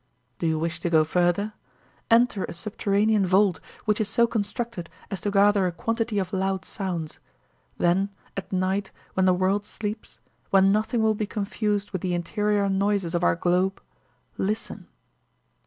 "Do you wish to go further? Enter a subterranean vault which is so constructed as to gather a quantity of loud sounds; then at night when the world sleeps, when nothing will be confused with the interior noises of our globe listen!